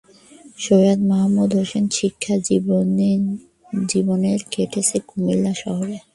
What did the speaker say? সৈয়দ মাহমুদ হোসেনের শিক্ষা জীবনের কেটেছে কুমিল্লা শহরে।